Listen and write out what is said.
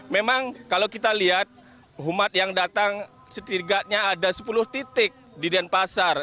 memang kalau kita lihat umat yang datang setidaknya ada sepuluh titik di denpasar